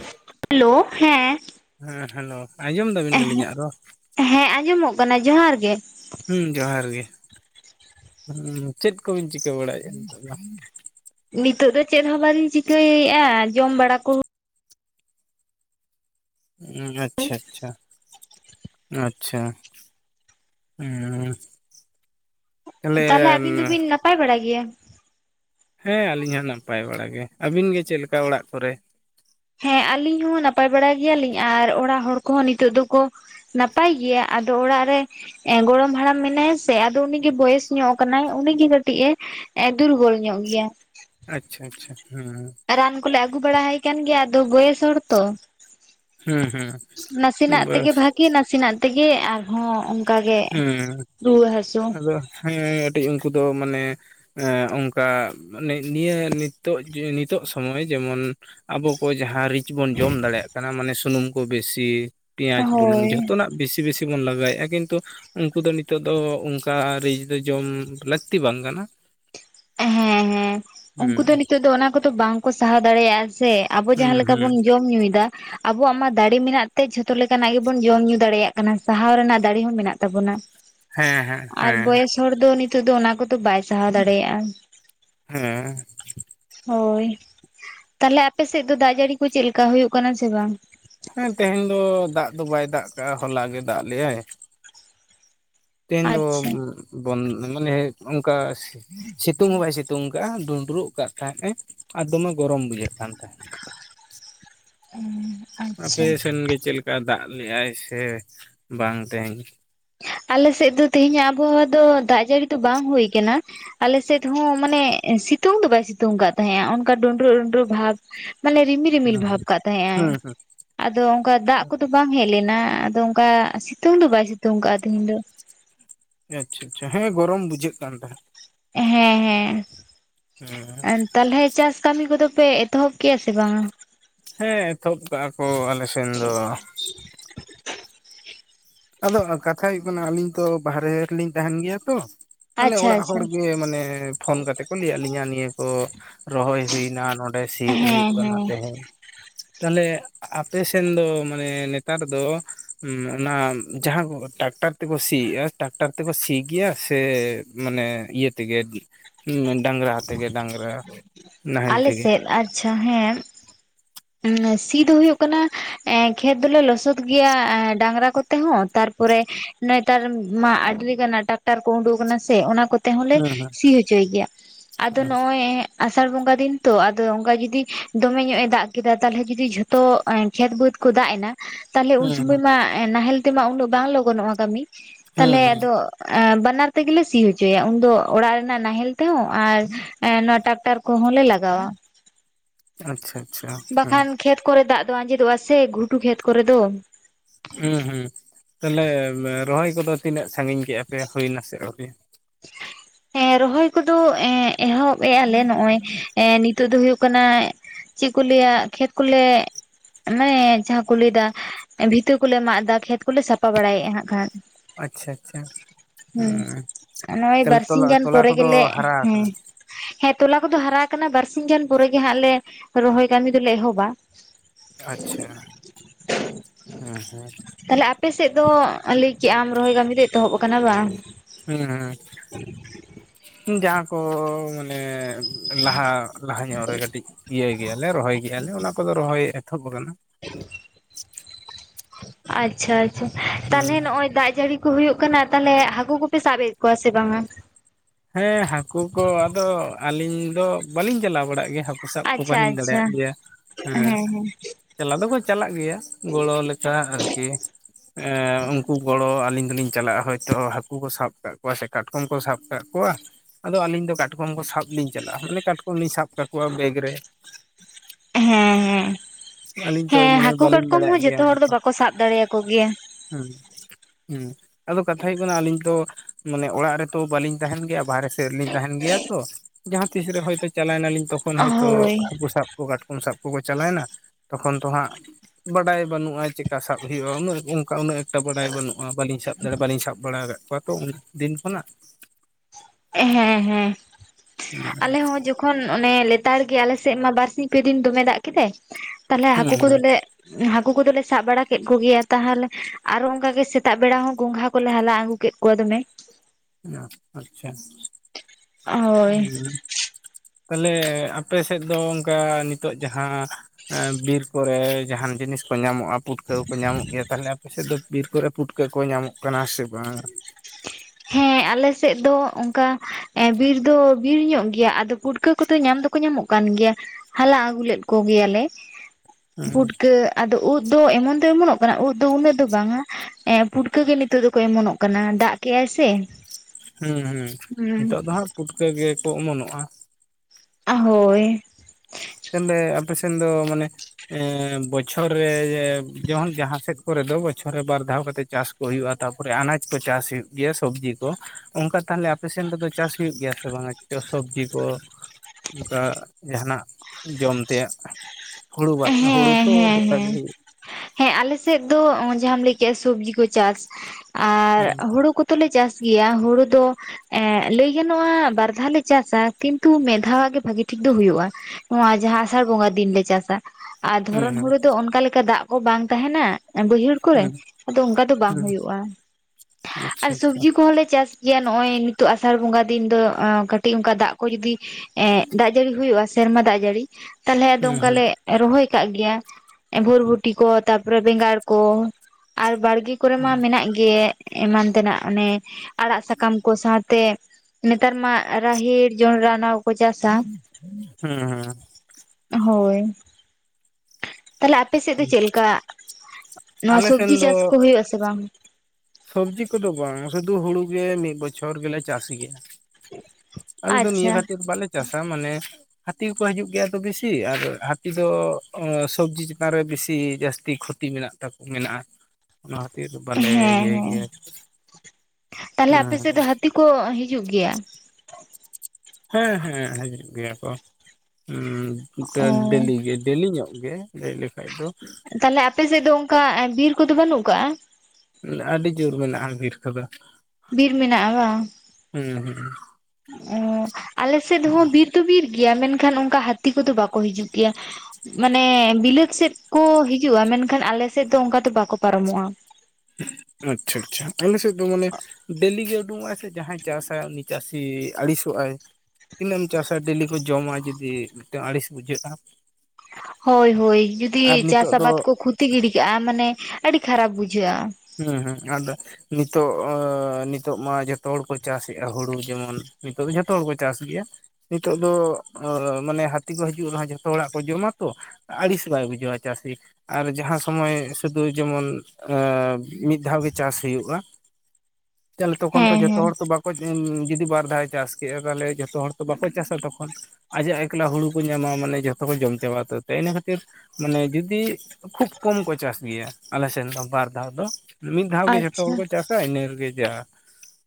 [unintelligible] Hello ᱦᱮᱸ ᱦᱮᱸ hello ᱟᱸᱡᱚᱢ ᱫᱟᱵᱤᱱ ᱟᱹᱞᱤᱧᱟᱜ ᱨᱚᱲ ᱦᱮᱸ ᱟᱸᱡᱚᱢᱚᱜ ᱠᱟᱱᱟ ᱡᱚᱦᱟᱨ ᱜᱮ ᱦᱮᱸ ᱡᱚᱦᱟᱨ ᱜᱮ ᱦᱩᱸ ᱪᱮᱫ ᱠᱚᱵᱤᱱ ᱪᱤᱠᱟᱹ ᱵᱟᱲᱟᱭᱮᱫᱼᱟ ᱱᱤᱛᱚᱜ ᱫᱚ ᱱᱤᱛᱚᱜ ᱫᱚ ᱪᱮᱫᱦᱚᱸ ᱵᱟᱞᱤᱧ ᱪᱤᱠᱟᱹᱭᱮᱫᱼᱟ ᱡᱚᱢ ᱵᱟᱲᱟ ᱠᱚ ᱟᱪᱪᱷᱟ ᱟᱪᱪᱷᱟ ᱟᱪᱪᱷᱟ ᱦᱩᱸᱻ ᱛᱟᱦᱚᱞᱮ ᱟᱵᱤᱱ ᱫᱚᱵᱤᱱ ᱱᱟᱯᱟᱭ ᱵᱟᱲᱟ ᱜᱮᱭᱟ ᱦᱮᱸ ᱟᱹᱞᱤᱧ ᱦᱚᱸ ᱱᱟᱯᱟᱭ ᱵᱟᱲᱟ ᱜᱮ ᱟᱹᱵᱤᱱ ᱜᱮ ᱪᱮᱫ ᱞᱮᱠᱟ ᱚᱲᱟᱜ ᱠᱚᱨᱮ ᱦᱮᱸ ᱟᱞᱤᱧ ᱦᱚᱸ ᱱᱟᱯᱟᱭ ᱵᱟᱲᱟ ᱜᱮᱭᱟᱞᱤᱧ ᱟᱨ ᱚᱲᱟᱜ ᱦᱚᱲ ᱠᱚᱦᱚᱸ ᱱᱤᱛᱚᱜ ᱫᱚᱠᱚ ᱱᱟᱯᱟᱭ ᱜᱮᱭᱟ ᱟᱫᱚ ᱚᱲᱟᱜ ᱨᱮ ᱜᱚᱲᱚᱢ ᱦᱟᱲᱟᱢ ᱢᱮᱱᱟᱭᱟ ᱥᱮ ᱟᱫᱚ ᱩᱱᱤᱜᱮ ᱵᱚᱭᱮᱥ ᱧᱚᱜ ᱟᱠᱟᱱᱟᱭ ᱩᱱᱤᱜᱮ ᱠᱟᱹᱴᱤᱡ ᱮ ᱮ ᱫᱩᱨᱵᱚᱞ ᱧᱚᱜ ᱜᱮᱭᱟ ᱟᱪᱪᱷᱟ ᱟᱪᱪᱷᱟ ᱦᱩᱸ ᱨᱟᱱ ᱠᱚᱞᱮ ᱟᱹᱜᱩ ᱵᱟᱲᱟ ᱦᱟᱭ ᱠᱟᱱ ᱜᱮᱭᱟ ᱟᱫᱚ ᱵᱚᱭᱮᱥ ᱦᱚᱲ ᱛᱚ ᱦᱮᱸ ᱦᱮᱸ ᱱᱟᱥᱮᱱᱟᱜ ᱛᱮᱜᱮ ᱵᱮᱥ ᱵᱷᱟᱜᱤ ᱱᱟᱥᱮᱱᱟᱜ ᱛᱮᱜᱮ ᱟᱨᱦᱚᱸ ᱚᱱᱠᱟᱜ ᱜᱮ ᱨᱩᱣᱟᱹ ᱦᱟᱹᱥᱩ ᱦᱩᱸ ᱠᱟᱹᱴᱤᱡ ᱩᱱᱠᱩ ᱫᱚ ᱢᱟᱱᱮ ᱮ ᱚᱱᱠᱟ ᱱᱤᱭᱟᱹ ᱱᱤᱛᱚᱜ ᱱᱤᱛᱚᱜ ᱥᱚᱢᱚᱭ ᱡᱮᱢᱚᱱ ᱟᱵᱚ ᱠᱚ ᱡᱟᱦᱟᱸ ᱨᱤᱪ ᱵᱚᱱ ᱡᱚᱢ ᱫᱟᱲᱮᱭᱟᱜ ᱠᱟᱱᱟ ᱢᱟᱱᱮ ᱥᱩᱱᱩᱢ ᱠᱚ ᱵᱮᱥᱤ ᱯᱮᱸᱭᱟᱡᱽ ᱵᱩᱞᱩᱝ ᱦᱳᱭ ᱡᱷᱚᱛᱚᱱᱟᱜ ᱵᱮᱥᱤ ᱵᱮᱥᱤ ᱢᱚᱱ ᱞᱟᱜᱟᱭ ᱟ ᱠᱤᱱᱛᱩ ᱩᱱᱠᱩ ᱫᱚ ᱱᱤᱛᱳᱜ ᱫᱚ ᱚᱱᱠᱟ ᱨᱤᱡ ᱫᱚ ᱡᱚᱢ ᱞᱟᱹᱠᱛᱤ ᱵᱟᱝ ᱠᱟᱱᱟ ᱦᱮᱸ ᱦᱮᱸ ᱩᱱᱠᱩ ᱦᱩᱸ ᱫᱚ ᱱᱤᱛᱚᱜ ᱫᱚ ᱚᱱᱟ ᱠᱚᱫᱚ ᱵᱟᱝᱠᱚ ᱥᱟᱦᱟᱣ ᱫᱟᱲᱮᱭᱟᱜᱼᱟ ᱥᱮ ᱟᱵᱚ ᱦᱩᱸ ᱡᱟᱦᱟᱸ ᱞᱮᱠᱟ ᱦᱩᱸ ᱵᱩᱱ ᱡᱚᱢ ᱧᱩᱭᱮᱫᱟ ᱟᱵᱚᱣᱟᱜ ᱢᱟ ᱫᱟᱲᱮ ᱢᱮᱱᱟᱜ ᱛᱮ ᱡᱷᱚᱛᱚ ᱞᱮᱠᱟᱱᱟᱜ ᱜᱮᱵᱚᱱ ᱡᱚᱢᱼ ᱧᱩᱩ ᱫᱟᱲᱮᱭᱟᱜ ᱠᱟᱱᱟ ᱥᱟᱦᱟᱣ ᱨᱮᱱᱟᱜ ᱫᱟᱲᱮ ᱦᱚᱸ ᱢᱮᱱᱟᱜ ᱛᱟᱵᱚᱱᱟ ᱦᱮᱸ ᱦᱮᱸ ᱟᱨ ᱦᱮᱸ ᱵᱚᱭᱚᱥ ᱦᱚᱲ ᱫᱚ ᱱᱤᱛᱚᱜ ᱫᱚ ᱚᱱᱟ ᱠᱚᱫᱚ ᱵᱟᱭ ᱥᱟᱦᱟᱣ ᱫᱟᱲᱮᱭᱟᱜᱼᱟ ᱦᱮᱸ ᱦᱳᱭ ᱛᱟᱦᱚᱞᱮ ᱟᱯᱮᱥᱮᱫ ᱫᱚ ᱫᱟᱜ ᱡᱟᱹᱲᱤ ᱠᱚ ᱪᱮᱫ ᱞᱮᱠᱟ ᱦᱩᱭᱩᱜ ᱠᱟᱱᱟ ᱥᱮ ᱵᱟᱝ ᱦᱮᱸ ᱛᱮᱦᱮᱧ ᱫᱚ ᱫᱟᱜ ᱫᱚ ᱵᱟᱭ ᱫᱟᱜ ᱠᱟᱜᱼᱟ ᱦᱚᱞᱟ ᱜᱮ ᱫᱟᱜ ᱞᱮᱫᱟᱭ ᱛᱮᱦᱮᱧ ᱫᱚ ᱟᱪᱪᱷᱟ ᱢᱟᱱᱮ ᱚᱱᱠᱟ ᱥᱤᱛᱩᱝ ᱦᱚᱸ ᱵᱟᱭ ᱥᱤᱛᱩᱝ ᱟᱠᱟᱫᱼᱟ ᱰᱩᱸᱰᱨᱩᱜ ᱠᱟᱜ ᱛᱟᱦᱮᱸ ᱟᱨ ᱫᱚᱢᱮ ᱜᱚᱨᱚᱢ ᱵᱩᱡᱷᱟᱹᱜ ᱠᱟᱱ ᱛᱟᱦᱮᱸᱼᱟ [unintelligible] ᱟᱯᱮ ᱥᱮᱱ ᱜᱮ ᱪᱮᱫ ᱞᱮᱠᱟ ᱫᱟᱜ ᱞᱮᱫᱟᱭ ᱥᱮ ᱵᱟᱝ ᱛᱮᱦᱮᱧ ᱟᱞᱮ ᱥᱮᱫ ᱫᱚ ᱛᱮᱦᱮᱤᱧ ᱟᱜ ᱟᱵᱚᱦᱟᱣᱟ ᱫᱚ ᱫᱟᱜ ᱡᱟᱹᱲᱤ ᱫᱚ ᱵᱟᱝ ᱦᱩᱭ ᱟᱠᱟᱱᱟ ᱟᱞᱮ ᱥᱮᱫ ᱦᱚᱸ ᱢᱟᱱᱮ ᱥᱤᱛᱩᱝ ᱫᱚ ᱵᱟᱭ ᱥᱤᱛᱩᱝ ᱟᱠᱟᱫ ᱛᱟᱦᱮᱸᱜᱼᱟ ᱚᱱᱠᱟ ᱰᱩᱸᱰᱨᱩᱜ ᱰᱩᱸᱰᱨᱟᱹᱜ ᱵᱷᱟᱵ ᱢᱟᱱᱮ ᱨᱤᱢᱤᱞ ᱨᱤᱢᱤᱞ ᱦᱩᱸ ᱵᱷᱟᱵ ᱠᱟᱜ ᱛᱟᱦᱮᱸ ᱟᱭ ᱦᱩᱸ ᱟᱫᱚ ᱚᱱᱠᱟ ᱫᱟᱜ ᱠᱚᱫᱚ ᱵᱟᱝ ᱦᱮᱡ ᱞᱮᱱᱟ ᱟᱫᱚ ᱚᱱᱠᱟ ᱥᱤᱛᱩᱝ ᱫᱚ ᱵᱟᱭ ᱥᱤᱛᱩᱝ ᱟᱠᱟᱜ ᱛᱤᱦᱤᱧ ᱫᱚ ᱟᱪᱪᱷᱟ ᱟᱪᱪᱷᱟ ᱦᱮᱸ ᱜᱚᱨᱚᱢ ᱵᱩᱡᱷᱟᱹᱜ ᱠᱟᱱ ᱛᱟᱦᱮᱸᱫ ᱦᱮᱸ ᱦᱮᱸ ᱛᱟᱦᱚᱞᱮ ᱪᱟᱥ ᱠᱟᱹᱢᱤ ᱠᱚᱫᱚ ᱯᱮ ᱮᱛᱚᱦᱚᱵ ᱠᱮᱭᱟ ᱥᱮ ᱵᱟᱝᱟ ᱦᱮᱸ ᱮᱛᱚᱵ ᱠᱟᱜᱼᱟ ᱠᱚ ᱟᱞᱮ ᱥᱮᱱ ᱫᱚ ᱟᱫᱚ ᱠᱟᱛᱷᱟ ᱦᱩᱭᱩᱜ ᱠᱟᱱᱟ ᱟᱞᱤᱧ ᱛᱚ ᱵᱟᱨᱦᱨᱮ ᱨᱮᱞᱤᱧ ᱛᱟᱦᱮᱱ ᱜᱮᱭᱟ ᱛᱚ ᱢᱟᱱᱮ ᱟᱪᱪᱷᱟ ᱚᱲᱟᱜ ᱟᱪᱪᱷᱟ ᱦᱚᱲ ᱜᱮ ᱢᱟᱱᱮ ᱯᱷᱳᱱ ᱠᱟᱛᱮ ᱠᱚ ᱞᱟᱹᱭ ᱟᱫ ᱞᱤᱧᱟ ᱱᱤᱭᱟᱹ ᱠᱚ ᱨᱚᱦᱚᱭ ᱦᱩᱭᱱᱟ ᱱᱚᱰᱮ ᱥᱤᱭᱳᱜ ᱦᱩᱭᱩᱜ ᱦᱮᱸ ᱠᱟᱱᱟ ᱦᱮᱸ ᱛᱮᱦᱮᱸᱧ ᱛᱟᱦᱚᱞᱮ ᱟᱯᱮ ᱥᱮᱱ ᱫᱚ ᱢᱟᱱᱮ ᱱᱮᱛᱟᱨ ᱫᱚ ᱚᱱᱟ ᱡᱟᱦᱟᱸ ᱠᱚ ᱴᱨᱟᱠᱴᱟᱨ ᱛᱮᱠᱚ ᱥᱤᱭᱮᱜᱼᱟ ᱴᱨᱟᱠᱴᱟᱨ ᱛᱮᱠᱚ ᱥᱤ ᱜᱮᱭᱟ ᱥᱮ ᱢᱟᱱᱮ ᱤᱭᱟᱹ ᱛᱮᱜᱮ ᱦᱮᱸ ᱰᱟᱝᱨᱟ ᱛᱮᱜᱮ ᱰᱟᱝᱨᱟ ᱱᱟᱦᱮᱞ ᱟᱞᱮ ᱛᱮᱜᱮ ᱥᱮᱫ ᱟᱪᱪᱷᱟ ᱦᱮᱸ ᱥᱤ ᱫᱚ ᱦᱩᱭᱩᱜ ᱠᱟᱱᱟ ᱮ ᱠᱷᱮᱛ ᱫᱚᱞᱮ ᱞᱚᱥᱚᱫ ᱜᱮᱭᱟᱜ ᱰᱟᱝᱨᱟ ᱠᱚᱛᱮ ᱦᱚᱸ ᱛᱟᱨᱯᱚᱨᱮ ᱱᱮᱛᱟᱨ ᱢᱟ ᱟᱹᱰᱤ ᱞᱮᱠᱟᱱᱟᱜ ᱴᱟᱠᱴᱟᱨ ᱠᱚ ᱩᱸᱰᱩ ᱟᱠᱟᱱᱟ ᱥᱮ ᱚᱱᱟ ᱠᱚ ᱛᱮᱦᱚᱞᱮ ᱦᱩᱸ ᱥᱤ ᱦᱚᱪᱚᱭ ᱜᱮᱭᱟ ᱟᱫᱚ ᱦᱩᱸ ᱱᱚᱜ- ᱚᱭ ᱟᱥᱟᱲ ᱵᱚᱸᱜᱟ ᱫᱤᱱ ᱛᱚ ᱟᱫᱚ ᱚᱱᱠᱟ ᱡᱩᱫᱤ ᱫᱚᱢᱮ ᱧᱚᱜ ᱮ ᱫᱟᱜ ᱠᱮᱫᱟ ᱛᱟᱦᱚᱞᱮ ᱡᱩᱫᱤ ᱡᱷᱚᱛᱚ ᱠᱷᱮᱛ ᱵᱟᱹᱫᱽ ᱠᱚ ᱫᱟᱜ ᱮᱱᱟ ᱛᱟᱦᱚᱞᱮ ᱩᱱ ᱥᱩᱢᱚᱭ ᱦᱩᱸ ᱢᱟ ᱱᱟᱦᱮᱞ ᱛᱮᱢᱟ ᱩᱱᱟᱹᱜ ᱵᱟᱝ ᱞᱚᱜᱚᱱᱚᱜᱼᱟ ᱠᱟᱹᱢᱤ ᱦᱩᱸ ᱛᱟᱦᱚᱞᱮ ᱦᱩᱸ ᱟᱫᱚ ᱮ ᱵᱟᱱᱟᱨ ᱛᱮᱜᱮ ᱞᱮ ᱥᱤ ᱦᱚᱪᱚᱭᱟ ᱩᱱᱫᱚ ᱚᱲᱟᱜ ᱨᱮᱱᱟᱜ ᱱᱟᱦᱮᱞ ᱛᱮᱦᱚᱸ ᱟᱨ ᱮ ᱱᱚᱶᱟ ᱴᱨᱟᱠᱴᱟᱨ ᱠᱚᱦᱚᱸ ᱞᱮ ᱞᱟᱜᱟᱣ-ᱟ᱾ ᱟᱪᱪᱷᱟ ᱟᱪᱪᱷᱟ ᱦᱮᱸ ᱵᱟᱠᱷᱟᱱ ᱠᱷᱮᱛ ᱠᱚᱨᱮ ᱫᱟᱜ ᱫᱚ ᱟᱸᱡᱮᱫᱚᱜᱼᱟ ᱥᱮ ᱜᱷᱩᱴᱩ ᱠᱷᱮᱛ ᱠᱚᱨᱮ ᱫᱚ ᱦᱩᱸ ᱦᱩᱸ ᱛᱟᱦᱚᱞᱮ ᱨᱚᱦᱚᱭ ᱠᱚᱫᱚ ᱛᱤᱱᱟᱹᱜ ᱥᱟᱹᱜᱤᱧ ᱠᱮᱜᱼᱟ ᱯᱮ ᱦᱩᱭ ᱱᱟᱥᱮ ᱟᱹᱣᱨᱤ ᱦᱮᱸ ᱨᱚᱦᱚᱭ ᱠᱚᱫᱚ ᱮ ᱮᱦᱚᱵ ᱮᱫᱼᱟ ᱞᱮ ᱱᱚᱜᱼᱚᱭ ᱮ ᱱᱤᱛᱚᱜ ᱫᱚ ᱦᱩᱭᱩᱜ ᱠᱟᱱᱟ ᱪᱮᱫ ᱠᱚ ᱞᱟᱹᱭ-ᱟ ᱠᱷᱮᱛ ᱠᱚᱞᱮ ᱚᱱᱮ ᱡᱟᱦᱟᱸ ᱠᱚ ᱞᱟᱹᱭ ᱫᱟ ᱵᱷᱤᱛᱟᱹ ᱠᱚᱞᱮ ᱢᱟᱜ ᱮᱫᱟ ᱠᱷᱮᱛ ᱠᱚᱞᱮ ᱥᱟᱯᱷᱟ ᱵᱟᱲᱟᱭᱮᱫᱼᱟ ᱦᱟᱸᱜ ᱠᱷᱟᱱ ᱟᱪᱪᱷᱟ ᱟᱪᱪᱷᱟ ᱦᱩᱸ ᱦᱮᱸ ᱱᱚᱜᱼᱚᱭ ᱵᱟᱨᱥᱤ ᱜᱟᱱ ᱯᱚᱨᱮ ᱜᱮᱞᱮ ᱦᱮᱸ ᱟᱠᱟᱱᱟ ᱦᱮᱸ ᱛᱚᱞᱟ ᱠᱚᱫᱚ ᱦᱟᱨᱟ ᱟᱠᱟᱱᱟ ᱵᱟᱨᱥᱤ ᱜᱟᱱ ᱯᱚᱨᱮ ᱜᱮ ᱦᱟᱸᱜ ᱞᱮ ᱨᱚᱦᱚᱭ ᱠᱟᱹᱢᱤ ᱫᱚᱞᱮ ᱮᱦᱚᱵ-ᱟ᱾ ᱟᱪᱪᱷᱟ ᱦᱩᱸ ᱦᱩᱸ ᱛᱟᱦᱞᱮ ᱟᱯᱮ ᱥᱮᱫ ᱫᱚ ᱞᱟᱹᱭ ᱠᱮᱟᱢ ᱨᱚᱦᱚᱭ ᱠᱟᱹᱢᱤ ᱫᱚ ᱮᱛᱚᱦᱚᱵ ᱟᱠᱟᱱᱟ ᱵᱟᱝ ᱦᱩᱸ ᱦᱩᱸ [unintelligible] ᱡᱟᱦᱟᱸ ᱠᱚ ᱢᱟᱱᱮ ᱞᱟᱦᱟ ᱞᱟᱦᱟ ᱧᱚᱜ ᱨᱮ ᱠᱟᱹᱴᱤᱡ ᱤᱭᱟᱹ ᱜᱮᱭᱟᱞᱮ ᱨᱚᱦᱚᱭ ᱜᱮᱭᱟᱞᱮ ᱚᱱᱟ ᱠᱚᱫᱚ ᱨᱚᱦᱚᱭ ᱮᱛᱚᱦᱚᱵ ᱠᱟᱱᱟ ᱟᱪᱪᱷᱟ ᱟᱪᱪᱷᱟ ᱦᱩᱸ ᱛᱟᱞᱦᱮ ᱱᱚᱜ-ᱚᱭ ᱫᱟᱜ ᱡᱟᱹᱲᱤ ᱦᱩᱭᱩᱜ ᱠᱟᱱᱟ ᱛᱟᱦᱚᱞᱮ ᱦᱟᱹᱠᱩ ᱠᱚᱯᱮ ᱥᱟᱵ ᱮᱫ ᱠᱚᱣᱟ ᱥᱮ ᱵᱟᱝ-ᱟ᱾ ᱦᱮᱸ ᱦᱟᱹᱠᱩ ᱠᱚ ᱟᱫᱚ ᱟᱹᱞᱤᱧ ᱫᱚ ᱵᱟᱹᱞᱤᱧ ᱪᱟᱞᱟᱣ ᱵᱟᱲᱟᱜ ᱜᱮᱭᱟ ᱦᱟᱹᱠᱩ ᱥᱟᱵ ᱠᱚ ᱟᱪᱪᱷᱟ ᱵᱟᱞᱤᱧ ᱟᱪᱪᱷᱟ ᱫᱟᱲᱮᱭᱟᱜ ᱜᱮᱭᱟ ᱦᱮᱸ ᱪᱟᱞᱟᱣ ᱫᱚᱠᱚ ᱪᱟᱞᱟᱜ ᱜᱮᱭᱟ ᱜᱚᱲᱚ ᱞᱮᱠᱟ ᱪᱟᱜ ᱟᱨᱠᱤ ᱮᱸ ᱩᱱᱠᱩ ᱜᱚᱲᱚ ᱟᱞᱤᱧ ᱫᱚᱞᱤᱧ ᱪᱟᱞᱟᱜᱼᱟ ᱦᱳᱭᱛᱚ ᱦᱟᱠᱩ ᱠᱚ ᱥᱟᱵ ᱠᱟᱜ ᱠᱚᱣᱟ ᱥᱮ ᱠᱟᱴᱠᱚᱢ ᱠᱚ ᱥᱟᱵ ᱠᱟᱜ ᱠᱚᱣᱟ ᱟᱫᱚ ᱟᱹᱞᱤᱧ ᱫᱚ ᱠᱟᱴᱠᱚᱢ ᱠᱚ ᱥᱟᱵ ᱞᱤᱧ ᱪᱟᱞᱟᱜᱼᱟ ᱢᱟᱱᱮ ᱠᱟᱴᱠᱚᱢ ᱞᱤᱧ ᱥᱟᱵ ᱠᱟᱠᱚᱣᱟ ᱵᱮᱜᱽ ᱨᱮ ᱦᱮᱸ ᱦᱮᱸ ᱟᱹᱞᱤᱧ ᱛᱚ ᱦᱮᱸ ᱢᱟᱱᱮ ᱦᱟᱠᱩ ᱵᱟᱹᱞᱤᱧ ᱠᱟᱴᱠᱚᱢ ᱫᱟᱲᱮᱭᱟᱜ ᱦᱚᱸ ᱜᱮᱭᱟ ᱡᱷᱚᱛᱚ ᱚᱱᱟ ᱦᱚᱲ ᱫᱚ ᱠᱚ ᱵᱟᱠᱚ ᱥᱟᱵ ᱫᱟᱲᱮᱭᱟᱠᱚ ᱜᱮᱭᱟ᱾ ᱦᱮᱸ ᱦᱮᱸ ᱟᱫᱚ ᱠᱟᱛᱷᱟ ᱦᱩᱭᱩᱜ ᱠᱟᱱᱟ ᱟᱞᱤᱧ ᱫᱚ ᱢᱟᱱᱮ ᱚᱲᱟᱜ ᱨᱮᱛᱚ ᱵᱟᱹᱞᱤᱧ ᱛᱟᱦᱮᱱ ᱜᱮᱭᱟ ᱵᱟᱨᱦᱮᱼᱼ ᱥᱮᱫ ᱨᱮᱞᱤᱧ ᱛᱟᱦᱮᱱ ᱜᱮᱭᱟ ᱛᱚ ᱡᱟᱦᱟᱸ ᱛᱤᱥ ᱨᱮ ᱦᱚᱭᱛᱚ ᱪᱟᱞᱟᱣᱱᱟᱞᱤᱧ ᱛᱚᱠᱷᱚᱱ ᱦᱚᱭᱛᱚ ᱦᱳᱭ ᱦᱟᱹᱠᱩ ᱥᱟᱵ ᱦᱟᱠᱩ ᱠᱟᱴᱠᱚᱢ ᱥᱟᱵ ᱠᱚ ᱠᱚ ᱪᱟᱞᱟᱣ ᱮᱱᱟ ᱛᱚᱠᱷᱚᱱ ᱛᱚ ᱦᱟᱸᱜ ᱵᱟᱰᱟᱭ ᱵᱟᱹᱱᱩᱜᱼᱟ ᱪᱮᱠᱟ ᱥᱟᱵ ᱦᱩᱭᱩᱜᱼᱟ ᱩᱱᱟᱹᱜ ᱚᱱᱠᱟ ᱩᱱᱟᱹᱜ ᱵᱟᱰᱟᱭ ᱵᱟᱹᱱᱩᱜᱼᱟ ᱵᱟᱞᱤᱧ ᱥᱟᱵ ᱫᱟᱲᱮᱭᱟᱜᱼᱟ ᱵᱟᱹᱞᱤᱧ ᱥᱟᱵ ᱵᱟᱲᱟ ᱟᱠᱟᱫ ᱠᱚᱣᱟ ᱛᱚ ᱩᱱ ᱫᱤᱱ ᱠᱷᱚᱱᱟᱜ ᱦᱮᱸ ᱦᱮᱸ ᱦᱩᱸ ᱟᱞᱮ ᱦᱚᱸ ᱛᱚᱠᱷᱚᱱ ᱚᱱᱮ ᱞᱮᱛᱟᱲ ᱜᱮ ᱟᱞᱮᱥᱮᱫ ᱢᱟ ᱵᱟᱨᱥᱤᱧ ᱯᱮ ᱫᱤᱱ ᱫᱚᱢᱮ ᱫᱟᱜ ᱠᱮᱫᱟᱭ ᱛᱟᱦᱞᱮ ᱦᱟᱹᱠᱩ ᱠᱚᱫᱚᱞᱮ, ᱦᱟᱠᱩ ᱠᱚᱫᱚᱞᱮ ᱥᱟᱵ ᱵᱟᱲᱟ ᱠᱮᱫ ᱠᱚᱜᱮᱭᱟ ᱛᱟᱦᱚᱞᱮ ᱟᱨᱚ ᱚᱱᱠᱟ ᱜᱮ ᱥᱮᱛᱟᱜ ᱵᱮᱲᱟ ᱦᱚᱸ ᱜᱚᱝᱜᱷᱟ ᱠᱚᱞᱮ ᱦᱟᱞᱟᱝ ᱟᱹᱜᱩ ᱠᱮᱫ ᱠᱚᱫ ᱢᱮ ᱟᱪᱪᱷᱟ ᱦᱳᱭ ᱦᱩᱸ ᱛᱟᱦᱚᱞᱮ ᱟᱯᱮ ᱥᱮᱫ ᱫᱚ ᱚᱱᱠᱟ ᱱᱤᱛᱚᱜ ᱡᱟᱦᱟᱸ ᱵᱤᱨ ᱠᱚᱨᱮ ᱡᱟᱦᱟᱱ ᱡᱤᱱᱤᱥ ᱠᱚ ᱧᱟᱢᱚᱜᱼᱟ ᱯᱩᱴ ᱛᱟᱹᱣ ᱠᱚ ᱧᱟᱢᱮᱜ ᱜᱮᱭᱟ, ᱛᱟᱦᱞᱮ ᱟᱯᱮ ᱥᱮᱫ ᱫᱚ ᱵᱤᱨ ᱠᱚᱨᱮ ᱯᱩᱴᱠᱟᱹ ᱠᱚ ᱧᱟᱢᱚᱜ ᱠᱟᱱᱟ ᱥᱮ ᱵᱟᱝ? ᱦᱮᱸ ᱟᱞᱮᱥᱮᱫ ᱫᱚ ᱚᱱᱠᱟ ᱵᱤᱨ ᱫᱚ ᱵᱤᱨ ᱧᱚᱜ ᱜᱮᱭᱟ ᱟᱫᱚ ᱯᱩᱴᱠᱟᱹ ᱠᱚᱫᱚ ᱧᱟᱢ ᱫᱚᱠᱚ ᱠᱚ ᱧᱟᱢᱚᱜ ᱠᱟᱱ ᱜᱮᱭᱟ ᱦᱟᱞᱟᱝ ᱟᱹᱜᱩ ᱞᱮᱫ ᱠᱚᱜᱮᱭᱟᱞᱮ ᱦᱩᱸ ᱯᱩᱴᱠᱟᱹ ᱟᱫᱚ ᱩᱫ ᱫᱚ ᱮᱢᱚᱱ ᱛᱮ ᱮᱢᱚᱱᱚᱜ ᱠᱟᱱᱟ ᱩᱫ ᱫᱚ ᱩᱱᱟᱹᱜ ᱫᱚ ᱵᱟᱝᱟ᱾ ᱮ ᱯᱩᱴᱠᱟᱹ ᱜᱮ ᱱᱤᱛᱚᱜ ᱫᱚᱠᱚ ᱮᱢᱚᱱᱚᱜ ᱠᱟᱱᱟ ᱫᱟᱜ ᱠᱮᱫᱟᱭ ᱥᱮ, ᱦᱩᱸ ᱦᱩᱸ ᱦᱩᱸ ᱱᱤᱛᱚᱜ ᱫᱚ ᱦᱟᱸᱜ ᱯᱩᱴᱠᱟᱹ ᱜᱮᱠᱚ ᱚᱢᱚᱱᱚᱜᱼᱟ᱾ ᱟ ᱦᱳᱭ [unintelligible] ᱟᱯᱮᱥᱮᱱ ᱫᱚ ᱢᱟᱱᱮ ᱵᱚᱪᱷᱚᱨ ᱨᱮ ᱡᱮᱢᱚᱱ ᱡᱟᱦᱟᱸ ᱥᱮᱫ ᱠᱚᱨᱮ ᱫᱚ ᱵᱚᱪᱷᱚᱨ ᱨᱮ ᱵᱟᱨ ᱫᱷᱟᱣ ᱠᱟᱛᱮ ᱪᱟᱥ ᱠᱚ ᱦᱩᱭᱩᱜᱼᱟ ᱛᱟᱯᱚᱨᱮ ᱟᱱᱟᱡ ᱠᱚ ᱪᱟᱥ ᱦᱩᱭᱩᱜ ᱜᱮᱭᱟ ᱥᱚᱵᱽᱡᱤ ᱠᱚ, ᱚᱱᱠᱟ ᱛᱟᱦᱞᱮ ᱟᱯᱮ ᱥᱮᱱ ᱨᱮᱫᱚ ᱪᱟᱥ ᱦᱩᱭᱩᱜ ᱜᱮᱭᱟ ᱥᱮ ᱵᱟᱝᱼᱟ ᱪᱚ ᱥᱚᱵᱽᱡᱤ ᱠᱚ ᱚᱱᱠᱟ ᱡᱟᱦᱟᱱᱟᱜ ᱡᱚᱢ ᱛᱮᱭᱟᱜ ᱦᱩᱲᱩ ᱵᱟᱫ ᱦᱮᱸ ᱦᱩᱲᱩ ᱦᱮᱸ ᱛᱚ ᱦᱮᱸ ᱜᱚᱴᱟᱜᱮ ᱦᱩᱭᱩᱜᱟ ᱦᱮᱸ ᱟᱞᱮ ᱥᱮᱫ ᱫᱚ ᱡᱟᱦᱟᱸᱢ ᱞᱟᱹᱭ ᱠᱮᱫᱼᱟ ᱥᱚᱵᱡᱤ ᱠᱚ ᱪᱟᱥ ᱟᱨ ᱦᱩᱸ ᱦᱩᱲᱩ ᱠᱚ ᱡᱚᱛᱚ ᱞᱮ ᱪᱟᱥ ᱜᱮᱭᱟ ᱦᱩᱲᱩ ᱫᱚ ᱮᱸᱜ ᱞᱟᱹᱭ ᱜᱟᱱᱚᱜᱼᱟ ᱵᱟᱨ ᱫᱷᱟᱣ ᱞᱮ ᱪᱟᱥᱟ ᱠᱤᱱᱛᱩ ᱢᱤᱫ ᱫᱷᱟᱣ-ᱟᱜ ᱜᱮ ᱵᱷᱟᱹᱜᱤ ᱴᱷᱤᱠ ᱫᱚ ᱦᱩᱭᱩᱜᱼᱟ᱾ ᱱᱚᱣᱟ ᱡᱟᱦᱟᱸ ᱟᱥᱟᱲ ᱵᱚᱸᱜᱟ ᱫᱤᱱ ᱞᱮ ᱪᱟᱥᱟ᱾ ᱟᱨ ᱫᱷᱚᱨᱚᱱ ᱦᱩᱸ ᱦᱩᱲᱩ ᱫᱚ ᱚᱱᱠᱟ ᱞᱮᱠᱟ ᱫᱟᱜ ᱠᱚ ᱵᱟᱝ ᱛᱟᱦᱮᱱᱟ ᱵᱟᱹᱭᱦᱟᱹᱲ ᱠᱚᱨᱮ ᱦᱩᱸ ᱟᱫᱚ ᱚᱱᱠᱟ ᱫᱚ ᱵᱟᱝ ᱦᱩᱸ ᱦᱩᱭᱩᱜᱼᱟ ᱦᱩᱸ ᱟᱨ ᱟᱪᱪᱷᱟ ᱟᱪᱪᱷᱟ ᱥᱚᱵᱡᱤ ᱠᱚᱦᱚᱸ ᱞᱮ ᱪᱟᱥ ᱴᱤᱠ ᱜᱮᱭᱟ ᱱᱚᱜ-ᱚᱭ ᱱᱤᱛᱚᱜ ᱟᱥᱟᱲ ᱵᱚᱸᱜᱟ ᱫᱤᱱ ᱫᱚ ᱠᱟᱹᱴᱤᱡ ᱚᱱᱠᱟ ᱫᱟᱜ ᱠᱚ ᱡᱩᱫᱤ ᱮᱸᱜ ᱫᱟᱜ ᱡᱟᱹᱲᱤ ᱦᱩᱭᱩᱜᱼᱟ, ᱥᱮᱨᱢᱟ ᱫᱟᱜ ᱡᱟᱹᱲᱤ ᱛᱟᱦᱚᱞᱮ ᱟᱫᱚ ᱦᱩᱸ ᱦᱩᱸ ᱚᱱᱠᱟᱞᱮ ᱨᱚᱦᱚᱭ ᱠᱟᱜ ᱜᱮᱭᱟ ᱵᱷᱚᱨᱵᱩᱴᱤ ᱠᱚ ᱛᱟᱯᱚᱨᱮ ᱵᱮᱸᱜᱟᱲ ᱠᱚ ᱟᱨ ᱵᱟᱲᱜᱮ ᱠᱚᱨᱮ ᱢᱟ ᱢᱮᱱᱟᱜ ᱜᱮ ᱮᱢᱟᱱ ᱛᱮᱱᱟᱜ ᱚᱱᱮ ᱟᱲᱟᱜ ᱥᱟᱠᱟᱢ ᱠᱚ ᱥᱟᱶᱛᱮ ᱱᱮᱛᱟᱨ ᱢᱟ ᱨᱟᱦᱤᱨ ᱡᱚᱸᱰᱨᱟ ᱚᱱᱟᱼᱼ ᱦᱮᱸ ᱦᱮᱸ ᱦᱳᱭ ᱛᱟᱦᱞᱮ ᱟᱯᱮ ᱥᱮᱫ ᱫᱚ ᱦᱩᱸ ᱪᱮᱫ ᱞᱮᱠᱟ ᱱᱚᱣᱟ ᱟᱞᱮ ᱥᱮᱱ ᱥᱚᱵᱡᱤ ᱫᱚ ᱪᱟᱥ ᱠᱚ ᱦᱩᱭᱩᱜ-ᱟ ᱥᱮ ᱵᱟᱝ? ᱥᱚᱵᱽᱡᱤ ᱠᱚᱫᱚ ᱵᱟᱝ ᱥᱩᱫᱩ ᱦᱩᱲᱩ ᱜᱮ ᱢᱤᱫ ᱵᱚᱪᱷᱚᱨ ᱜᱮᱞᱮ ᱪᱟᱥ ᱜᱮᱭᱟ᱾ ᱟᱞᱮ ᱫᱚ ᱱᱤᱭᱟᱹ ᱟᱪᱪᱷᱟ ᱠᱷᱟᱹᱛᱤᱨ ᱵᱟᱞᱮ, ᱪᱟᱥᱟ ᱢᱟᱱᱮ ᱦᱟᱹᱛᱤ ᱠᱚᱠᱚ ᱦᱤᱡᱩᱜ ᱜᱮᱭᱟ ᱛᱚ ᱵᱤᱥᱤ ᱟᱨ ᱦᱟᱹᱛᱤ ᱫᱚ ᱥᱚᱵᱡᱤ ᱪᱮᱛᱟᱱ ᱨᱮ ᱵᱮᱥᱤ ᱡᱟᱹᱥᱛᱤ ᱠᱷᱩᱛᱤ ᱢᱮᱱᱟᱜ ᱛᱟᱠᱚ ᱢᱮᱱᱟᱜᱼᱟ᱾ ᱚᱱᱟ ᱠᱷᱟᱹᱛᱤᱨ ᱵᱟᱞᱮ ᱦᱮᱸ ᱤᱭᱟᱹᱭ ᱦᱮᱸ ᱜᱮᱭᱟ ᱛᱟᱦᱞᱮ ᱟᱯᱮ ᱦᱮᱸ ᱥᱮᱫ ᱫᱚ ᱦᱟᱹᱛᱤ ᱠᱚ ᱦᱤᱡᱩᱜ ᱜᱮᱭᱟ ᱦᱮᱸ ᱦᱮᱸ ᱦᱟᱡᱩᱜ ᱜᱮᱭᱟ ᱠᱚ, ᱦᱮ ᱚ ᱰᱮᱞᱤᱜᱮ ᱰᱮᱞᱤ ᱧᱚᱜ ᱜᱮ ᱞᱟᱹᱭ ᱞᱮᱠᱷᱟᱡ ᱫᱚ᱾ ᱛᱟᱦᱞᱮ ᱟᱯᱮ ᱥᱮᱫ ᱫᱚ ᱚᱱᱠᱟ ᱵᱤᱨ ᱠᱚᱫᱚ ᱵᱟᱹᱱᱩᱜ ᱠᱟᱜ-ᱟ? ᱟᱹᱰᱤ ᱡᱳᱨ ᱢᱮᱱᱟᱜᱼᱟ ᱵᱤᱨ ᱠᱚᱫᱚ᱾ ᱵᱤᱨ ᱢᱮᱱᱟᱜᱼᱟ ᱵᱟᱝ? ᱦᱩᱸ ᱦᱩᱸ ᱚ ᱟᱞᱮ ᱥᱮᱫ ᱦᱚᱸ ᱵᱤᱨ ᱫᱚ ᱵᱤᱨ ᱜᱮᱭᱟ ᱢᱮᱱᱠᱷᱟᱱ ᱚᱱᱠᱟ ᱦᱟᱹᱛᱤ ᱠᱚᱫᱚ ᱵᱟᱠᱚ ᱦᱤᱡᱩᱜ ᱜᱮᱭᱟ ᱾ ᱢᱟᱱᱮ ᱵᱤᱞᱟᱹᱛ ᱥᱮᱫ ᱠᱚ ᱦᱤᱡᱩᱜ-ᱟ ᱢᱮᱱᱠᱷᱟᱱ ᱟᱞᱮᱥᱮᱫ ᱫᱚ ᱚᱱᱠᱟ ᱫᱚ ᱵᱟᱠᱚ ᱯᱟᱨᱚᱢᱚᱜ-ᱟ ᱾ ᱟᱪᱪᱷᱟ ᱟᱪᱪᱷᱟ ᱟᱞᱮ ᱥᱮᱫ ᱫᱚ ᱢᱟᱱᱮ ᱰᱮᱞᱤ ᱜᱮ ᱩᱰᱩᱝᱚᱜ-ᱟᱭ ᱥᱮ ᱡᱟᱦᱟᱸᱭ ᱪᱟᱥᱟᱭ ᱩᱱᱤ ᱪᱟᱹᱥᱤ ᱟᱹᱲᱤᱥᱚᱜ-ᱟᱭ ᱛᱤᱱᱟᱹᱜ ᱮᱢ ᱪᱟᱥᱟ ᱰᱮᱞᱤ ᱠᱚ ᱡᱚᱢᱟ ᱡᱩᱫᱤ ᱢᱤᱫᱴᱟᱝ ᱟᱹᱲᱤᱥ ᱵᱩᱡᱷᱟᱹᱜ-ᱟ‌ ᱾ ᱦᱳᱭ ᱦᱳᱭ ᱡᱩᱫᱤ ᱪᱟᱥ ᱱᱤᱛᱚᱜ ᱫᱚ ᱟᱵᱟᱫ ᱠᱚ ᱠᱷᱚᱛᱤ ᱜᱤᱰᱤ ᱠᱟᱜ-ᱟ ᱢᱟᱱᱮ ᱟᱹᱰᱤ ᱠᱷᱟᱨᱟᱯ ᱵᱩᱡᱷᱟᱹᱜ-ᱟ ᱾ ᱦᱩᱸ ᱦᱩᱸ ᱟᱫᱚ ᱱᱤᱛᱚᱜ ᱚᱻ ᱱᱤᱛᱚᱜ ᱢᱟ ᱡᱚᱛᱚ ᱦᱚᱲᱠᱚ ᱪᱟᱥ ᱮᱜ-ᱟ ᱦᱩᱲᱩ ᱡᱮᱢᱚᱱ ᱱᱤᱛᱚᱜ ᱫᱚ ᱡᱷᱚᱛᱚ ᱦᱚᱲᱠᱚ ᱪᱟᱥ ᱜᱮᱭᱟ ᱾ ᱱᱤᱛᱚᱜ ᱫᱚ ᱢᱟᱱᱮ ᱦᱟᱹᱛᱤ ᱠᱚ ᱦᱤᱡᱩᱜ ᱨᱮᱦᱚᱸ ᱡᱷᱚᱛᱚ ᱦᱚᱲᱟᱜ ᱠᱚ ᱡᱚᱢᱟ ᱛᱚ ᱟᱹᱲᱤᱥ ᱵᱟᱭ ᱵᱩᱡᱷᱟᱹᱣᱟ ᱪᱟᱹᱥᱤ ᱟᱨ ᱡᱟᱦᱟᱸ ᱥᱚᱢᱚᱭ ᱥᱩᱫᱩ ᱡᱮᱢᱚᱱ ᱮᱸ ᱢᱤᱫ ᱫᱷᱟᱣ ᱜᱮ ᱪᱟᱥ ᱦᱩᱭᱩᱜ-ᱟ ᱛᱟᱦᱞᱮ ᱛᱚᱠᱷᱚᱱ ᱛᱚ ᱦᱮᱸ ᱡᱚᱛᱚ ᱦᱮᱸ ᱦᱚᱲ ᱛᱚ ᱵᱟ [unintelligible] ᱡᱩᱫᱤ ᱵᱟᱨ ᱫᱷᱟᱣ ᱪᱟᱥ ᱠᱮᱫ-ᱟ ᱛᱟᱦᱚᱞᱮ ᱡᱷᱚᱛᱚ ᱦᱚᱲ ᱛᱚ ᱵᱟᱠᱚ ᱪᱟᱥᱟ ᱛᱚᱠᱷᱚᱱ ᱟᱡᱟᱜ ᱮᱠᱞᱟ ᱦᱩᱲᱩ ᱠᱚ ᱧᱟᱢᱟ ᱢᱟᱱᱮ ᱡᱷᱚᱛᱚ ᱠᱚ ᱡᱚᱢ ᱪᱟᱵᱟ ᱩᱛᱟᱹᱨ ᱛᱟᱭᱟ ᱤᱱᱟᱹ ᱠᱷᱟᱹᱛᱤᱨ ᱢᱟᱱᱮ ᱡᱩᱫᱤ ᱠᱷᱩᱵ ᱠᱚᱢ ᱠᱚ ᱪᱟᱥ ᱜᱮᱭᱟ ᱟᱞᱮᱥᱮᱱ ᱫᱚ ᱵᱟᱨ ᱫᱷᱟᱣ ᱫᱚ ᱾ ᱢᱤᱫ ᱫᱷᱟᱣ ᱜᱮ ᱡᱷᱚᱛᱚ ᱦᱚᱲ ᱟᱪᱪᱷᱟ ᱠᱚ ᱪᱟᱥᱟ ᱤᱱᱟᱹ ᱨᱮᱜᱮ ᱡᱟ ᱾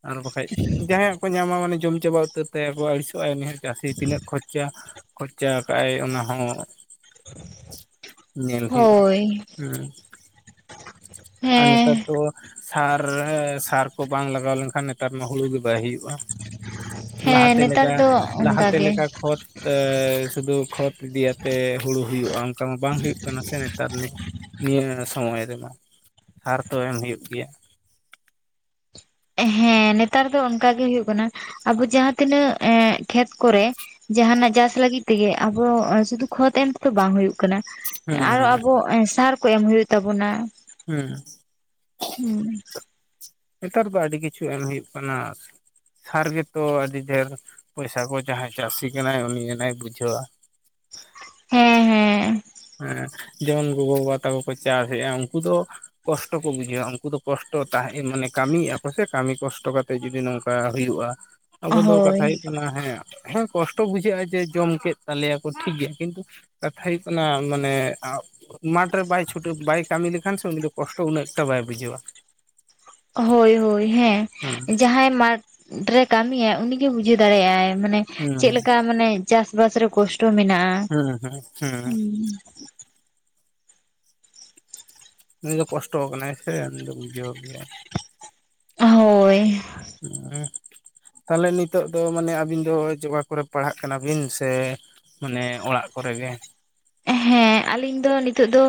ᱟᱨ ᱵᱟᱠᱷᱟᱡ ᱡᱟᱦᱟᱸᱭᱟᱜ ᱠᱚ ᱧᱟᱢᱟ ᱢᱟᱱᱮ ᱡᱚᱢ ᱪᱟᱵᱟ ᱩᱛᱟᱹᱨ ᱛᱟᱭᱟ ᱠᱚ ᱟᱹᱲᱤᱥᱚᱜ-ᱟᱭ ᱩᱱᱤ ᱦᱟᱜ ᱪᱟᱹᱥᱤ ᱛᱤᱱᱟᱹᱜ ᱠᱷᱚᱨᱪᱟ ᱠᱷᱚᱨᱪᱟ ᱠᱟᱜ-ᱟᱭ ᱚᱱᱟ ᱦᱚᱸ ᱧᱮᱞ ᱦᱩᱭᱩᱜ-ᱟ ᱦᱳᱭ ᱦᱩᱸ ᱾ ᱟᱨ ᱦᱮᱸ ᱱᱮᱛᱟᱨ ᱛᱚ ᱥᱟᱨ ᱥᱟᱨ ᱠᱚ ᱵᱟᱝ ᱞᱟᱜᱟᱣ ᱞᱮᱱᱠᱷᱟᱱ ᱱᱮᱛᱟᱨ ᱢᱟ ᱦᱩᱲᱩ ᱜᱮ ᱵᱟᱭ ᱦᱩᱭᱩᱜ-ᱟ ᱾ ᱦᱮᱸ ᱞᱟᱦᱟᱛᱮ ᱱᱮᱛᱟᱨ ᱞᱮᱠᱟ ᱫᱚ ᱚᱱᱠᱟ ᱞᱟᱦᱟᱛᱮ ᱜᱮ ᱞᱮᱠᱟ ᱠᱷᱚᱛ [unintelligible] ᱥᱩᱫᱩ ᱠᱷᱚᱛ ᱤᱫᱤᱭᱟᱛᱮ ᱦᱩᱲᱩ ᱦᱩᱭᱩᱜ-ᱟ ᱚᱱᱠᱟ ᱢᱟ ᱵᱟᱝ ᱦᱩᱭᱩᱜ ᱠᱟᱱᱟ ᱥᱮ ᱱᱮᱛᱟᱨ ᱱᱤᱡ ᱱᱤᱭᱟᱹ ᱥᱚᱢᱚᱭ ᱨᱮᱫᱚ ᱥᱟᱨ ᱛᱚ ᱮᱢ ᱦᱩᱭᱩᱜ ᱜᱮᱭᱟ ᱦᱮᱸ ᱱᱮᱛᱟᱨ ᱫᱚ ᱚᱱᱠᱟᱜ ᱜᱮ ᱦᱩᱭᱩᱜ ᱠᱟᱱᱟ ᱟᱵᱚ ᱡᱟᱦᱟᱸ ᱛᱤᱱᱟᱹᱜ ᱮᱸᱜ ᱠᱷᱮᱛ ᱠᱚᱨᱮ ᱡᱟᱦᱱᱟᱜ ᱪᱟᱥ ᱞᱟᱹᱜᱤᱫ ᱛᱮᱜᱮ ᱟᱵᱚ ᱥᱩᱫᱷᱩ ᱠᱷᱚᱛ ᱮᱢ ᱛᱮᱫᱚ ᱵᱟᱝ ᱦᱩᱭᱩᱜ ᱠᱟᱱᱟ ᱦᱩᱸ ᱟᱨᱚ ᱟᱵᱚ ᱥᱟᱨ ᱠᱚ ᱮᱢ ᱦᱩᱭᱩᱜ ᱛᱟᱵᱚᱱᱟ ᱦᱩᱸ ᱦᱩᱸ ᱱᱮᱛᱟᱨ ᱫᱚ ᱟᱹᱰᱤ ᱠᱤᱪᱷᱩ ᱮᱢ ᱦᱩᱭᱩᱜ ᱠᱟᱱᱟ ᱥᱟᱨ ᱜᱮᱛᱚ ᱟᱹᱰᱤ ᱰᱷᱮᱨ ᱯᱚᱭᱥᱟ ᱠᱚ ᱡᱟᱦᱟᱸᱭ ᱪᱟᱹᱥᱤ ᱠᱟᱱᱟᱭ ᱩᱱᱤ ᱟᱱᱮᱭ ᱵᱩᱡᱷᱟᱹᱣᱟ ᱾ ᱦᱮᱸ ᱦᱮᱸ ᱦᱮᱸ ᱡᱮᱢᱚᱱ ᱜᱚᱜᱚ ᱵᱟᱵᱟ ᱛᱟᱠᱚ ᱠᱚ ᱪᱟᱥ ᱮᱫ-ᱟ ᱩᱱᱠᱩ ᱫᱚ ᱠᱚᱥᱴᱚ ᱠᱚ ᱵᱩᱡᱷᱟᱹᱣᱟ ᱩᱱᱠᱩ ᱫᱚ ᱠᱚᱥᱴᱚ ᱛᱟᱦᱮᱸ ᱢᱟᱱᱮ ᱠᱟᱹᱢᱤᱭ ᱟᱠᱚ ᱥᱮ ᱠᱟᱹᱢᱤ ᱠᱚᱥᱴᱚ ᱠᱟᱛ ᱛᱮ ᱡᱩᱫᱤ ᱱᱚᱝᱠᱟ ᱦᱩᱭᱩᱜ-ᱟ, ᱟᱵᱚ ᱫᱚ ᱦᱳᱭ ᱠᱟᱛᱷᱟ ᱦᱩᱭᱩᱜ ᱠᱟᱱᱟ ᱦᱮᱸ ᱦᱮᱸ ᱠᱚᱥᱴᱚ ᱵᱩᱡᱷᱟᱹᱜ-ᱟ ᱡᱮ ᱡᱚᱢ ᱠᱮᱫ ᱛᱟᱞᱮᱭᱟᱠᱚ ᱴᱷᱤᱠ ᱜᱮᱭᱟ ᱠᱤᱱᱛᱩ ᱠᱟᱛᱷᱟ ᱦᱩ ᱚᱱᱟ ᱢᱟᱱᱮ [unintelligible] ᱢᱟᱴᱷ ᱨᱮ ᱵᱟᱭ ᱪᱷᱩᱴᱟᱹᱣ ᱵᱟᱭ ᱠᱟᱹᱢᱤ ᱞᱮᱠᱷᱟᱱ ᱥᱮ ᱩᱱᱤ ᱫᱚ ᱠᱚᱥᱴᱚ ᱩᱱᱟᱹᱜ ᱮᱠᱴᱟ ᱵᱟᱭ ᱵᱩᱡᱷᱟᱹᱣᱟ ᱾ ᱦᱳᱭ ᱦᱳᱭ ᱦᱮᱸ ᱡᱟᱦᱟᱸᱭ ᱢᱟᱴ [unintelligible] ᱨᱮ ᱠᱟᱹᱢᱤᱭᱟᱭ ᱩᱱᱤᱜᱮ ᱵᱩᱡᱷᱟᱹᱣ ᱫᱟᱲᱮᱭᱟᱜ-ᱟᱭ ᱢᱟᱱᱮ ᱦᱩᱸ ᱪᱮᱫᱞᱮᱠᱟ ᱢᱟᱱᱮ ᱪᱟᱥ ᱵᱟᱥ ᱨᱮ ᱠᱚᱥᱴᱚ ᱢᱮᱱᱟᱜ-ᱟ ᱦᱩᱸ ᱦᱩᱸ ᱦᱩᱸ ᱩᱸ ᱩᱱᱤ ᱫᱚ ᱠᱚᱥᱴᱚ ᱠᱟᱱᱟᱭ ᱥᱮ ᱩᱱ ᱫᱚ ᱵᱩᱡᱷᱟᱹᱣ ᱜᱮᱭᱟᱭ ᱾ ᱦᱳᱭ ᱩᱸ [unintelligible] ᱛᱟᱞᱮ ᱱᱤᱛᱚᱜ ᱫᱚ ᱢᱟᱱᱮ ᱟᱹᱵᱤᱱ ᱫᱚ ᱡᱚᱜᱟ ᱠᱚᱨᱮ ᱯᱟᱲᱦᱟᱜ ᱠᱟᱱᱟ ᱵᱤᱱ ᱥᱮ ᱢᱟᱱᱮ ᱚᱲᱟᱜ ᱠᱚᱨᱮ ᱜᱮ ᱮᱸᱜ ᱦᱮᱸ ᱟᱞᱤᱧ ᱫᱚ ᱱᱤᱛᱚᱜ ᱫᱚ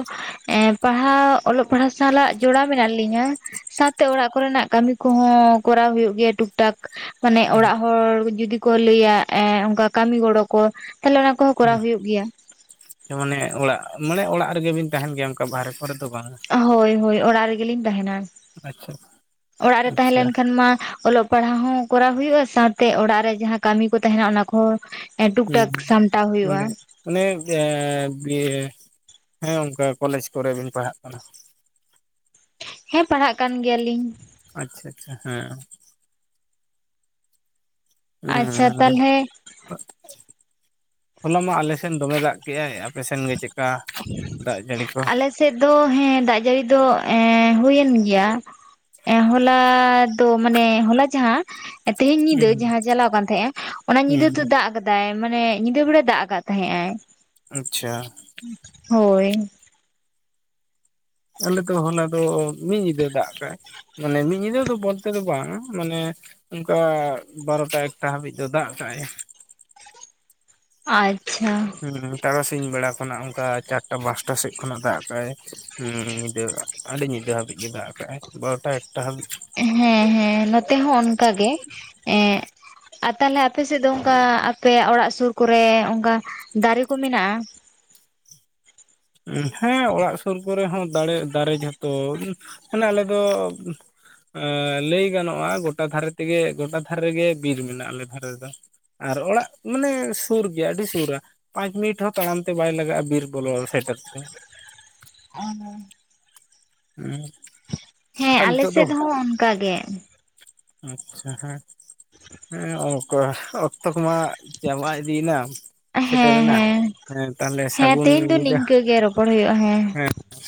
ᱮᱸ ᱯᱟᱲᱦᱟᱣ ᱚᱞᱚᱜ ᱯᱟᱲᱦᱟᱜ ᱥᱟᱞᱟᱜ ᱡᱚᱲᱟᱣ ᱢᱮᱱᱟᱜ ᱞᱤᱧᱟ᱾ ᱥᱟᱶᱛᱮ ᱚᱲᱟᱜ ᱠᱚᱨᱮ ᱱᱟᱜ ᱠᱟᱢᱤ ᱠᱚᱦᱚᱸ ᱠᱚᱨᱟᱣ ᱦᱩᱭᱩᱜ ᱜᱮᱭᱟ ᱴᱩᱠ ᱴᱟᱠ᱾ ᱢᱟᱱᱮ ᱚᱲᱟᱜ ᱟᱪᱪᱷᱟ ᱦᱚᱲ ᱡᱩᱫᱤ ᱠᱚ ᱞᱟᱹᱭᱟ ᱮ ᱚᱱᱠᱟ ᱠᱟᱢᱤ ᱜᱚᱲᱚ ᱠᱚ ᱛᱟᱞᱮ ᱚᱱᱟ ᱠᱚ ᱠᱚᱨᱟᱣ ᱦᱩᱭᱩᱜ ᱜᱮᱭᱟ᱾ ᱦᱮᱸ ᱢᱟᱱᱮ ᱚᱲᱟᱜ ᱢᱟᱱᱮ ᱚᱲᱟᱜ ᱨᱮᱜᱮ ᱵᱤᱱ ᱛᱟᱦᱮᱱ ᱜᱮᱭᱟ ᱚᱱᱠᱟ ᱵᱟᱦᱨᱮ ᱠᱚᱨᱮ ᱫᱚ ᱵᱟᱝ ᱦᱚᱭ ᱦᱚᱭ ᱚᱲᱟᱜ ᱨᱮᱜᱮ ᱞᱤᱧ ᱛᱟᱦᱮᱱᱟ ᱟᱪᱪᱷᱟ ᱚᱲᱟᱜ ᱨᱮ ᱛᱟᱦᱮᱸ ᱟᱪᱪᱷᱟ ᱞᱮᱱ ᱠᱷᱟᱱ ᱢᱟ ᱚᱞᱚᱜ ᱯᱟᱲᱦᱟᱣ ᱦᱚᱸ ᱠᱚᱨᱟᱣ ᱦᱩᱭᱩᱜ-ᱟ ᱥᱟᱶᱛᱮ ᱚᱲᱟᱜ ᱨᱮ ᱡᱟᱦᱟᱸ ᱠᱟᱢᱤ ᱠᱚ ᱛᱟᱦᱮᱱᱟ ᱚᱱᱟ ᱠᱚ ᱮ ᱴᱩᱠ ᱴᱟᱹᱠ ᱥᱟᱢᱴᱟᱣ ᱦᱩᱭᱩᱜ-ᱟ᱾ ᱚᱱᱮ ᱮᱸ ᱵᱤᱭᱮ ᱦᱮᱸ ᱚᱱᱠᱟ ᱠᱚᱞᱮᱪ ᱠᱚᱨᱮ ᱜᱤᱧ ᱯᱟᱲᱦᱟᱜ ᱠᱟᱱᱟ᱾ ᱦᱮᱸ ᱯᱟᱲᱦᱟᱜ ᱠᱟᱱ ᱜᱮᱭᱟ ᱞᱤᱧ᱾ ᱟᱪᱪᱷᱟ ᱪᱷᱟ ᱦᱮᱸ ᱟᱪᱪᱷᱟ ᱦᱩᱸᱻ ᱛᱟᱞᱦᱮ ᱦᱚᱞᱟ ᱢᱟ ᱟᱞᱮ ᱥᱮᱱ ᱫᱚᱢᱮ ᱫᱟᱜ ᱠᱮᱫ-ᱟᱭ ᱟᱯᱮᱥᱮᱱ ᱜᱮ ᱪᱮᱠᱟ ᱫᱟᱜ ᱡᱟᱹᱲᱤ ᱠᱚ ᱪᱮᱫ ᱫᱚ ᱦᱮᱸ ᱫᱟᱜ ᱡᱟᱹᱲᱤ ᱫᱚ ᱮᱸ ᱦᱩᱭᱮᱱ ᱜᱮᱭᱟ ᱮᱸ ᱦᱚᱞᱟ ᱛᱚ ᱢᱟᱱᱮ ᱦᱚᱞᱟ ᱡᱟᱦᱟᱸ ᱛᱮᱦᱤᱧ ᱧᱤᱫᱟᱹ ᱦᱩᱸ ᱡᱟᱦᱟᱸ ᱪᱟᱞᱟᱣ ᱠᱟᱱ ᱛᱟᱦᱮᱸᱜ-ᱟ ᱚᱱᱟ ᱧᱤᱫᱟᱹ ᱦᱩᱸ ᱛᱚ ᱫᱟᱜ ᱟᱠᱟᱫ ᱫᱟᱭ ᱢᱟᱱᱮ ᱧᱤᱫᱟᱹ ᱵᱮᱲᱟᱭ ᱫᱟᱜ ᱟᱠᱟᱜ ᱛᱟᱦᱮᱸᱜ ᱟᱭ᱾ ᱟᱪᱪᱷᱟ᱾ ᱦᱚᱭ ᱟᱞᱮ ᱫᱚ ᱦᱚᱞᱟ ᱫᱚ ᱢᱤᱫ ᱧᱤᱫᱟᱹ ᱫᱟᱜ ᱠᱟᱜ-ᱟᱭ᱾ ᱢᱟᱱᱮ ᱢᱤᱫ ᱧᱤᱫᱟᱹ ᱫᱚ ᱵᱚᱞᱛᱮ ᱫᱚ ᱵᱟᱝᱟ ᱢᱟᱱᱮ ᱚᱱᱠᱟ ᱵᱟᱨᱚᱴᱟ ᱮᱠᱴᱟ ᱦᱟᱹᱵᱤᱡ ᱫᱚ ᱫᱟᱜ ᱠᱟᱜ-ᱟᱭ᱾ ᱟᱪᱪᱷᱟ᱾ ᱩᱸ ᱛᱟᱨᱟᱥᱤᱧ ᱵᱮᱲᱟ ᱠᱷᱚᱱᱟᱜ ᱚᱱᱠᱟ ᱪᱟᱴᱠᱟ ᱯᱟᱥᱴᱟ ᱥᱮᱫ ᱠᱷᱚᱱᱟᱜ ᱫᱟᱜ ᱟᱠᱟᱜ-ᱟᱭ ᱩᱸᱢ ᱧᱤᱫᱟᱹ᱾ ᱟᱹᱰᱤ ᱧᱤᱫᱟᱹ ᱦᱟᱵᱤᱡ ᱜᱮ ᱫᱟᱜ ᱟᱠᱟᱟᱜ-ᱟᱭ ᱵᱟᱨᱚᱴᱟ ᱮᱠᱴᱟ ᱦᱟᱹᱵᱤᱡ᱾ ᱦᱮᱸ ᱦᱮᱸ ᱱᱚᱛᱮ ᱦᱚᱸ ᱚᱱᱠᱟ ᱜᱮ, ᱮᱸᱜ ᱟᱨ ᱛᱟᱦᱞᱮ ᱟᱯᱮ ᱥᱮᱫ ᱫᱚ ᱚᱱᱠᱟ ᱟᱯᱮᱭᱟᱜ ᱚᱲᱟᱜ ᱥᱩᱨ ᱠᱚᱨᱮ ᱚᱱᱠᱟ ᱫᱟᱨᱮ ᱠᱚ ᱢᱮᱱᱟᱜ-ᱟ? ᱩᱸ ᱦᱮᱸ ᱚᱲᱟᱜ ᱥᱩᱨ ᱠᱚᱨᱮ ᱦᱚᱸ ᱫᱟᱲᱮ ᱫᱟᱨᱮ ᱡᱷᱚᱛᱚ ᱩᱸ ᱢᱟᱱᱮ ᱟᱞᱮ ᱫᱚ ᱮᱸ ᱞᱟᱹᱭ ᱜᱟᱱᱚᱜ-ᱟ ᱜᱚᱴᱟ ᱫᱷᱟᱨᱮ ᱛᱮᱜᱮ ᱜᱚᱴᱟ ᱫᱷᱟᱨᱮ ᱜᱮ ᱵᱤᱨ ᱢᱮᱱᱟᱜ-ᱟ ᱟᱞᱮ ᱫᱷᱟᱨᱮ ᱨᱮᱫᱚ᱾ ᱟᱨ ᱚᱲᱟᱜ ᱢᱟᱱᱮ ᱥᱩᱨ ᱜᱮᱭᱟ ᱟᱹᱰᱤ ᱥᱩᱨ ᱨᱮ᱾ ᱯᱟᱸᱪ ᱢᱤᱱᱤᱴ ᱦᱚᱸ ᱛᱟᱲᱟᱢ ᱛᱮ ᱵᱟᱭ ᱞᱟᱜᱟᱜ-ᱟ ᱵᱤᱨ ᱵᱚᱞᱚ ᱥᱮᱴᱮᱨ ᱛᱮ᱾ ᱟᱱᱟ ᱩᱸᱻ᱾ ᱦᱮᱸ ᱟᱞᱮ ᱥᱮᱫᱽ ᱦᱚᱸ ᱚᱱᱠᱟ ᱜᱮ᱾ ᱟᱪᱪᱷᱟ ᱦᱮᱸᱜ ᱦᱮᱸ ᱚᱠᱚᱨ ᱚᱠᱛᱚ ᱠᱚᱢᱟ ᱪᱟᱵᱟ ᱤᱫᱤᱭᱮᱱᱟ᱾ ᱦᱮᱸ ᱥᱮᱴᱮᱨᱮᱱᱟ ᱦᱮᱸ ᱢᱟᱱᱮ ᱛᱟᱦᱚᱞᱮ ᱦᱮᱸ ᱥᱟᱜᱩᱱ ᱛᱮᱦᱮᱧ ᱫᱚ ᱧᱤᱫᱟᱹ, ᱱᱤᱝᱠᱟᱹ ᱜᱮ ᱨᱚᱯᱚᱲ ᱦᱩᱭᱩᱜᱼᱟ ᱦᱮᱸ᱾